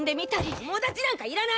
友達なんかいらない！